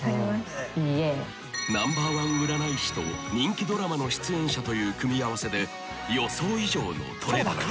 ［ナンバーワン占い師と人気ドラマの出演者という組み合わせで予想以上の撮れ高］